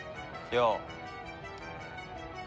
よう。